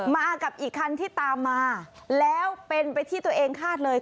มากับอีกคันที่ตามมาแล้วเป็นไปที่ตัวเองคาดเลย